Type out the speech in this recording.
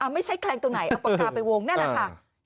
ไม่ใช่แคลงตรงไหนเอาปากกาไปวงนั่นแหละค่ะ